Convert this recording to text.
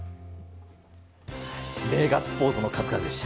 ガッツポーズの数々でした。